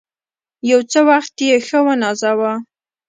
او یو څه وخت یې ښه ونازاوه.